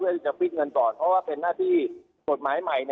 เพื่อที่จะปิดเงินตอนเพราะว่าเป็นหน้าที่ปฏิบัติไหนเนี่ย